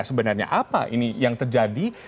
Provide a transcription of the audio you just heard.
sebenarnya apa ini yang terjadi